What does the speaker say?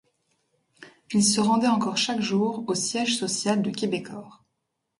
Il se rendait encore chaque jour au siège social de Quebecor.